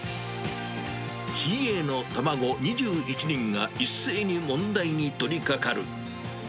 ＣＡの卵２１人が一斉に問題に取りかかる。